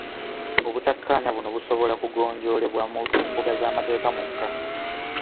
Obutakkaanya buno busobola kugonjoolebwa mu mbuga z'amateeka mwokka.